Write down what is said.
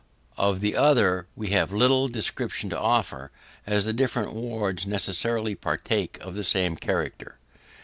Of the other, we have little description to offer, as the different wards necessarily partake of the same character.